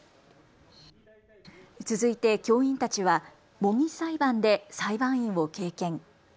続いて教員たちは模擬裁判で裁判員を経験。